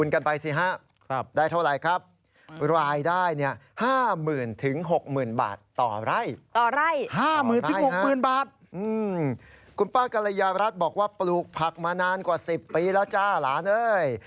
คุณป้ากรยารัฐบอกว่าปลูกผักมานานกว่า๑๐ปีแล้วจ้าหลานเอ้ย